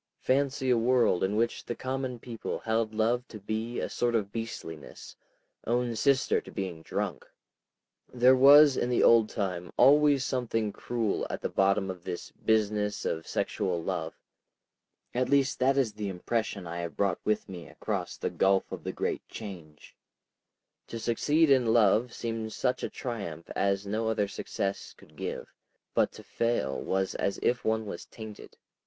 Fancy a world in which the common people held love to be a sort of beastliness, own sister to being drunk! ... There was in the old time always something cruel at the bottom of this business of sexual love. At least that is the impression I have brought with me across the gulf of the great Change. To succeed in love seemed such triumph as no other success could give, but to fail was as if one was tainted. .